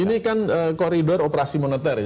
ini kan koridor operasi moneter ya